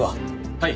はい。